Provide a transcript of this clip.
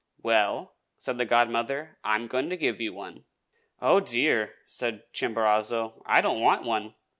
"Well," said the godmother, "I am going to give you one." "Oh, dear!" said Chimborazo, "I don't want one."